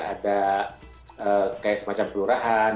ada kayak semacam pelurahan